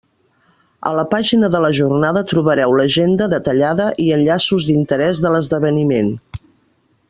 A la pàgina de la jornada trobareu l'agenda detallada i enllaços d'interès de l'esdeveniment.